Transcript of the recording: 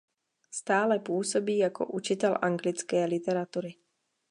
Stále působí jako učitel anglické literatury.